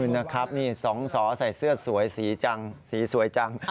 นะครับนี่สองสอใส่เสื้อสวยสีจังสีสวยจัง